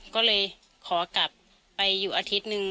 ก็เลยขอกลับไปอยู่อาทิตย์นึง